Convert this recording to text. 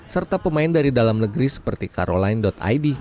serta pemain dari dalam negeri seperti caroline id